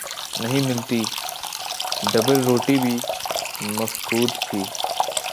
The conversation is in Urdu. نہیں ملتی، ڈبل روٹی بھی مفقود تھی۔